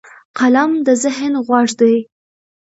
قلم د ذهن غوږ دی